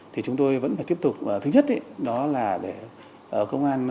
thì chúng tôi vẫn phải tiếp tục thứ nhất đó là để công an